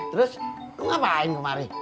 terus lo ngapain kemari